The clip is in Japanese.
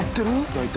大体。